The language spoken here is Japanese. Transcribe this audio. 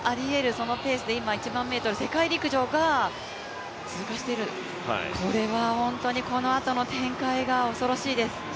そのペースで今、１００００ｍ、世界陸上が通過している、これは本当にこのあとの展開が恐ろしいです。